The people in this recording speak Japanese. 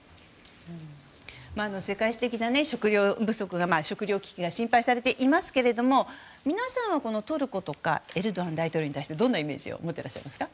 世界的な食糧危機が心配されていますけれども皆さんはトルコとかエルドアン大統領に対してどんなイメージを持っていますか。